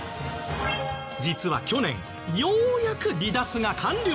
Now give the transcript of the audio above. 実は去年ようやく離脱が完了。